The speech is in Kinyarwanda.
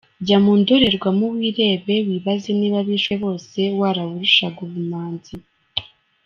Jya mu ndorerwamo wirebe wibaze niba abishwe bose warabarushaga ubumanzi.